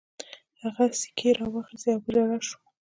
هغې سيکې را واخيستې او په ژړا شوه.